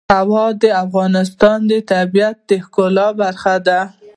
هوا د افغانستان د طبیعت د ښکلا برخه ده.